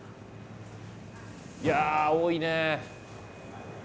いやあ多いね！